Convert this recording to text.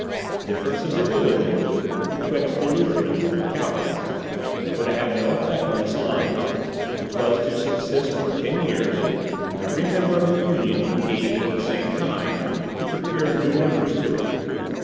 Differences of religion (betwixt the Lutherans and the Calvinists) were to have no effect on this alliance, which was to subsist for ten years, every member of the union engaged at the same time to procure new members to it.